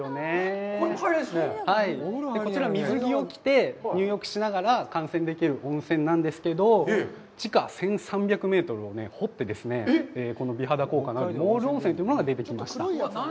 こちら、水着を着て入浴しながら観戦できる温泉なんですけど、地下１３００メートルを掘って、この美肌効果のあるモール温泉というものが出てきました。